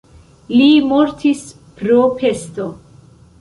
Li mortis pro pesto.